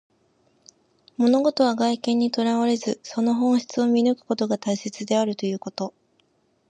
物事は外見にとらわれず、その本質を見抜くことが大切であるということ。